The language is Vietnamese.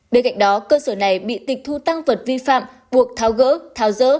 bên cạnh đó cơ sở này bị tịch thu tăng vật vi phạm buộc tháo gỡ tháo rỡ